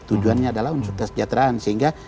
tujuannya adalah untuk kesejahteraan sehingga